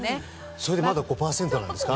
それでまだ５％なんですか？